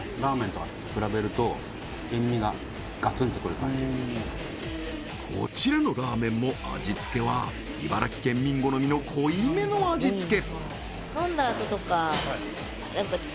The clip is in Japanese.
うんおいしいこちらのラーメンも味付けは茨城県民好みの濃いめの味付け